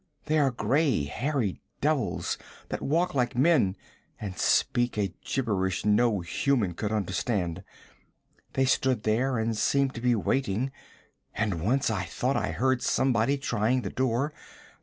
They are gray, hairy devils that walk like men and speak a gibberish no human could understand. They stood there and seemed to be waiting, and once I thought I heard somebody trying the door.